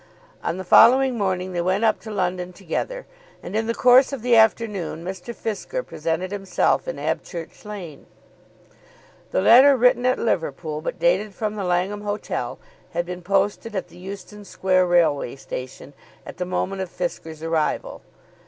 On the following morning they went up to London together, and in the course of the afternoon Mr. Fisker presented himself in Abchurch Lane. The letter written at Liverpool, but dated from the Langham Hotel, had been posted at the Euston Square Railway Station at the moment of Fisker's arrival.